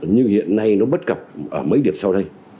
nhưng hiện nay nó bất cập ở mấy điểm sau đây